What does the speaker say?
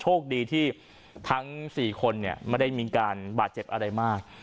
โชคดีที่ทั้ง๔คนไม่ได้มีการบาดเจ็บอะไรมาก